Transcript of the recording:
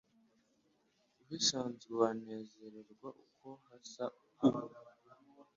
uhisanze wanezerererwa uko hasa u